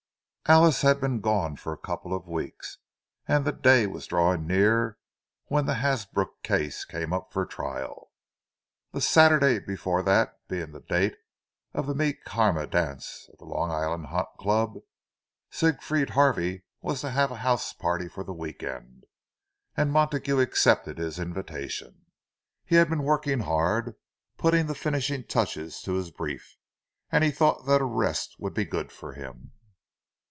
Alice had been gone for a couple of weeks, and the day was drawing near when the Hasbrook case came up for trial. The Saturday before that being the date of the Mi carême dance of the Long Island Hunt Club, Siegfried Harvey was to have a house party for the week end, and Montague accepted his invitation. He had been working hard, putting the finishing touches to his brief, and he thought that a rest would be good for him.